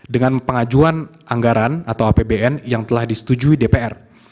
dengan pengajuan anggaran atau apbn yang telah disetujui dpr